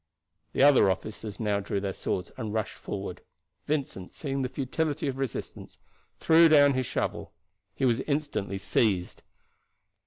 The other officers now drew their swords and rushed forward. Vincent, seeing the futility of resistance, threw down his shovel. He was instantly seized.